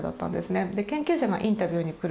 研究者がインタビューに来る。